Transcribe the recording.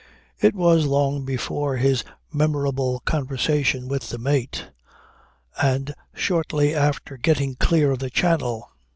It was long before his memorable conversation with the mate and shortly after getting clear of the channel.